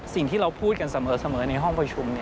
สิ่งที่เราพูดกันเสมอในห้องประชุม